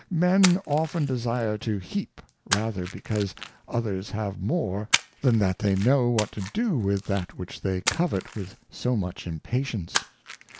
Men often desire to heap, rather because others have more, than that they know what to do with that which they covet with so much Impatience.